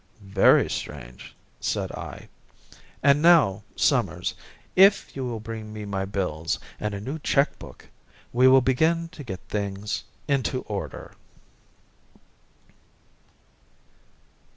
"Very strange," said I. "And now, Summers, if you will bring me my bills and a new cheque book, we will begin to get things into order."